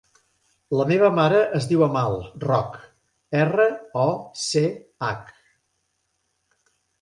La meva mare es diu Amal Roch: erra, o, ce, hac.